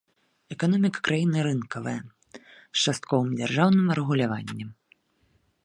Эканоміка краіны рынкавая, з частковым дзяржаўным рэгуляваннем.